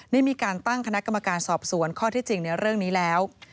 ได้มีการตั้งคณะกรรมการสอบสวนข้อที่จริงในเรื่องนี้แล้ว